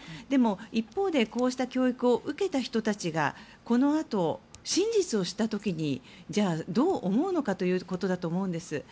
でも、一方でこうした教育を受けた人たちがこのあと、真実を知った時にじゃあ、どう思うのかということだと思うんです。